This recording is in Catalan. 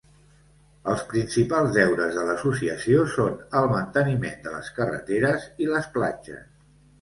Els principals deures de l'associació són el manteniment de les carreteres i les platges.